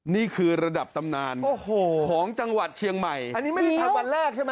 นี่คือระดับตำนานโอ้โหของจังหวัดเชียงใหม่อันนี้ไม่ได้ทำวันแรกใช่ไหม